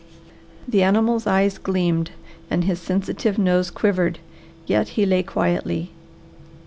The animal's eyes gleamed and his sensitive nose quivered, yet he lay quietly.